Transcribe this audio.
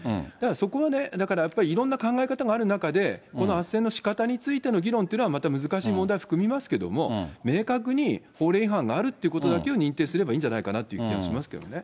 そこはね、だからやっぱりいろんな考え方がある中で、このあっせんのしかたについての議論というのは、また難しい問題を含みますけど、明確に法令違反があるっていうことだけを認定すればいいんじゃないかなという気がしますけどね。